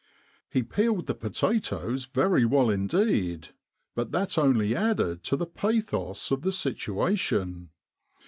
He peeled the potatoes very well indeed, but that only added to the pathos of the situation.